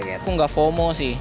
aku nggak fomo sih